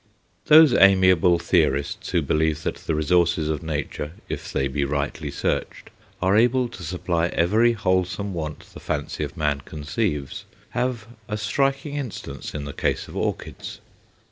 Those amiable theorists who believe that the resources of Nature, if they be rightly searched, are able to supply every wholesome want the fancy of man conceives, have a striking instance in the case of orchids.